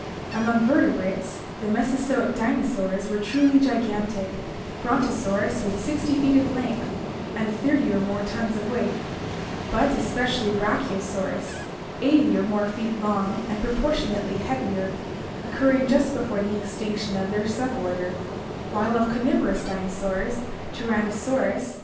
Among vertebrates the Mesozoic dinosaurs (see Chapter XXX) were truly gigantic, Brontosaurus with 60 feet of length and 30 or more tons of weight, but especially Brachiosaurus, 80 or more feet long and proportionately heavier, occurring just before the extinction RECAPITULATION, RACIAL OLD AGE 221 of their suborder; while of carnivorous dinosaurs Tyrannosaurus.